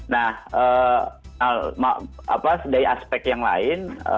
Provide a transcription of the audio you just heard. nah dari aspek yang lain